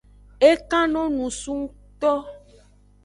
E kan no nusu ngto.